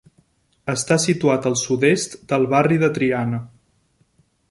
Està situat al sud-est del barri de Triana.